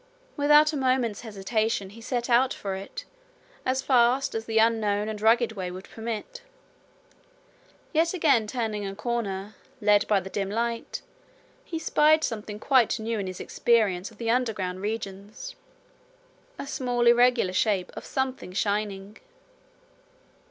Without a moment's hesitation he set out for it, as fast as the unknown and rugged way would permit. Yet again turning a corner, led by the dim light, he spied something quite new in his experience of the underground regions a small irregular shape of something shining.